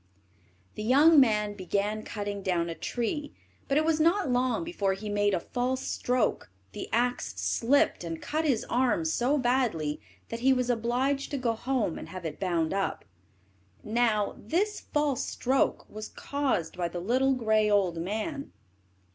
The young man began cutting down a tree, but it was not long before he made a false stroke: the axe slipped and cut his arm so badly that he was obliged to go home and have it bound up. Now, this false stroke was caused by the little gray old man.